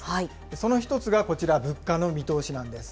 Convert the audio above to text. その１つがこちら、物価の見通しなんです。